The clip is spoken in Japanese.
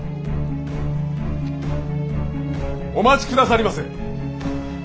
お待ちくださりませ。